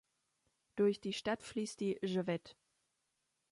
Durch die Stadt fließt die Yvette.